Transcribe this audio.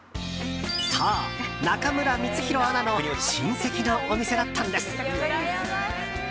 そう、中村光宏アナの親戚のお店だったんです。